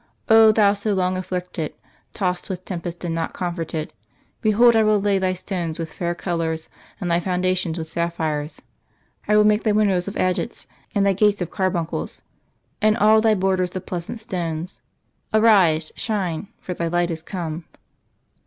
O thou so long afflicted, tossed with tempest and not comforted; behold I will lay thy stones with fair colours, and thy foundations with sapphires.... I will make thy windows of agates and thy gates of carbuncles, and all thy borders of pleasant stones. Arise, shine, for thy light is come.